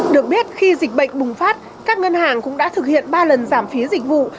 được biết khi dịch bệnh bùng phát các ngân hàng cũng đã thực hiện ba lần giảm phí dịch vụ